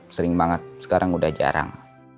sering banget sekarang udah jarang